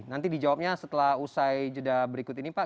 nanti dijawabnya setelah usai jeda berikut ini pak